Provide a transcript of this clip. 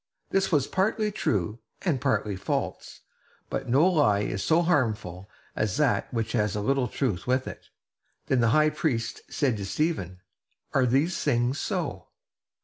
This was partly true and partly false; but no lie is so harmful as that which has a little truth with it. Then the high priest said to Stephen: "Are these things so?"